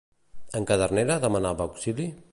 En Cadernera demanava auxili?